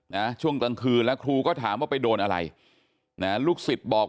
นะช่วงกลางคืนแล้วครูก็ถามว่าไปโดนอะไรนะลูกศิษย์บอก